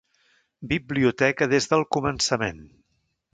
Biblioteca des del començament.